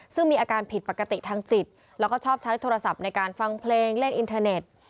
ซึ่งมีอาการผิดปกติทางจิตแล้วก็ชอบใช้โทรศัพท์ในการฟังเพลงเล่นอินเทอร์เน็ต